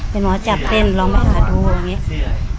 เป็นหมอจับเต้นลองไปหาดูอะไรอย่างนี้